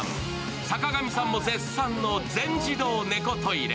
坂上さんも絶賛の全自動猫トイレ。